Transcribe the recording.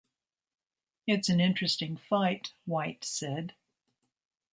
It's an interesting fight, White said.